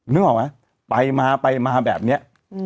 นึกออกไหมไปมาไปมาแบบนี้